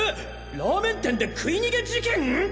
ラーメン店で食い逃げ事件！？